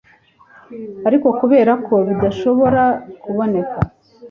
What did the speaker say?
Ariko kubera ko bidashobora kuboneka